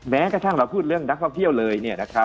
แม้กระทั่งเราพูดเรื่องนักท่องเที่ยวเลย